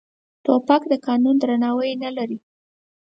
توپک د قانون درناوی نه لري.